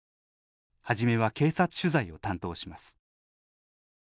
初めは警察取材を担当します。